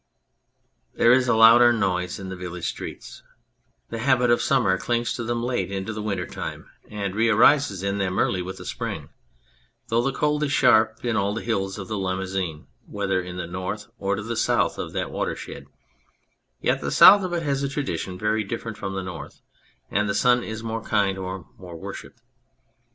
There is a louder noise in the village streets ; the habit of summer clings to them late into the winter time and re arises in them early with the spring though the cold is sharp in all the hills of the Limousin, whether to the north or to the south of that watershed, yet the south of it has a tradition very different from the north, and the sun is more kind or more worshipped.